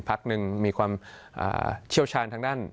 พักหนึ่งมีความเชี่ยวชาญทางด้าน